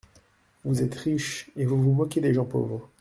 Vous êtes riche, et vous vous moquez des gens pauvres !